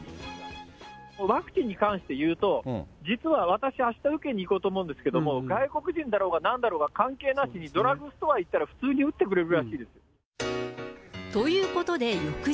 ワクチンに関して言うと、実は私、あした受けに行こうと思うんですけれども、外国人だろうがなんだろうが、関係なしに、ドラッグストア行ったら普通に打ってくれるらしいです。